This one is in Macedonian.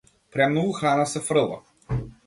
Премногу храна се фрла.